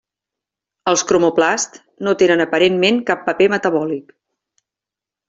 Els cromoplasts no tenen aparentment cap paper metabòlic.